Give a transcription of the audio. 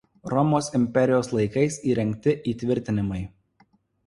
Romos imperijos laikais įrengti įtvirtinimai.